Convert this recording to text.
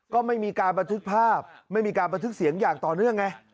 ก็ไม่มีการบันทึกภาพไม่มีการบันทึกเสียงอย่างต่อเนื่องไง